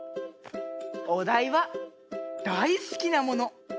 おだいはだいすきなもの！